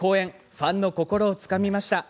ファンの心をつかみました。